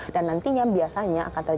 dan nantinya biasanya akan terbuka